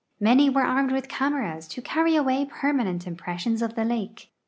Many were armed with cameras to carry away permanent impressions of the lake.